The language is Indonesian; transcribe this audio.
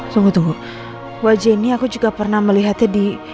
tunggu tunggu wajah ini aku juga pernah melihatnya di